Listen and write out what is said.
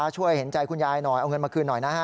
เห็นใจคุณยายหน่อยเอาเงินมาคืนหน่อยนะฮะ